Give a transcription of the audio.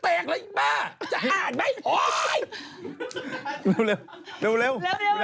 เดี๋ยวข่าวไม่จบเร็ว